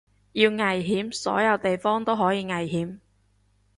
要危險所有地方都可以危險